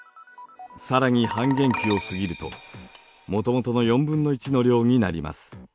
更に半減期を過ぎるともともとの４分の１の量になります。